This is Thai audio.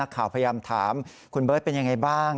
นักข่าวพยายามถามคุณเบิร์ตเป็นอย่างไรบ้าง